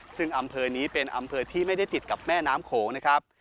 ซึ่งอำเภอนี้เป็นอำเภอที่ไม่ได้ติดกับแม่น้ำโขงนะครับ